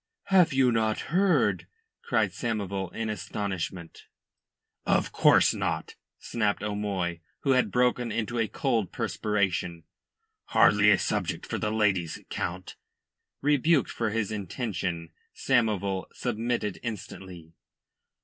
"Have you not heard?" cried Samoval in astonishment. "Of course not," snapped O'Moy, who had broken into a cold perspiration. "Hardly a subject for the ladies, Count." Rebuked for his intention, Samoval submitted instantly.